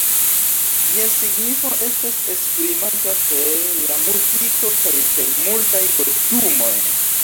Ĝia signifo estas esprimata per la muziko kaj per multaj kostumoj.